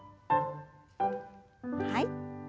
はい。